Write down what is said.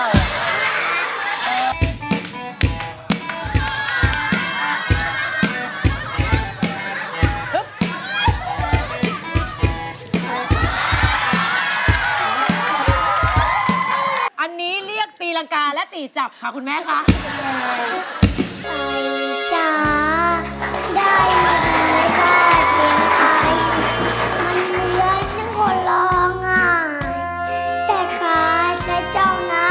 อันนี้เรียกตีรังกาและตีจับค่ะคุณแม่คะ